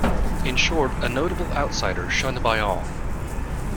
In short, a notable outsider, shunned by all.